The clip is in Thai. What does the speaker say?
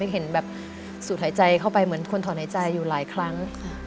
เห็นแบบสูดหายใจเหมือนผู้ทอดหายใจอยู่หลายครั้ง